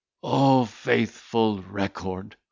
"O faithful record!"